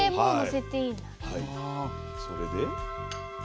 それで。